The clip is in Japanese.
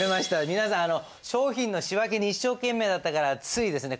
皆さんあの商品の仕分けに一生懸命だったからついですね